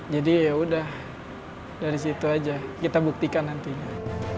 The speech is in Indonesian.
jadi yaudah dari situ aja kita buktikan nantinya